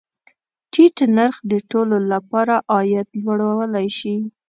ټیټ نرخ د ټولو له پاره عاید لوړولی شي.